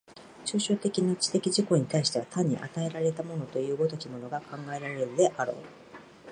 抽象的な知的自己に対しては単に与えられたものという如きものが考えられるであろう。